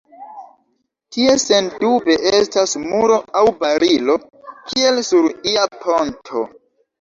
Tie sendube estas muro aŭ barilo, kiel sur ia ponto